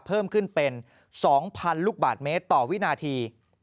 เพิ่มขึ้นเป็น๒๐๐๐ลูกบาทเมตรต่อวินาที